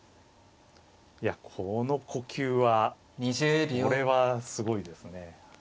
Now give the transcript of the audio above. いやこの呼吸はこれはすごいですね。